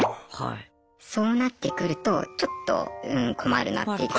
そうなってくるとちょっとうん困るなっていうか。